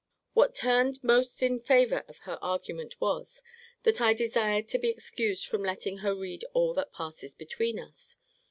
What turned most in favour of her argument was, that I desired to be excused from letting her read all that passes between us.